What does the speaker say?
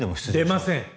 出ません！